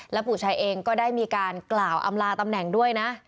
ปู่ชัยเองก็ได้มีการกล่าวอำลาตำแหน่งด้วยนะ